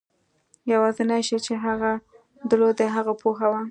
یوازېنی شی چې هغه درلود د هغه پوهه وه.